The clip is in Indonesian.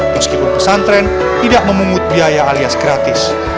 meskipun pesantren tidak memungut biaya alias gratis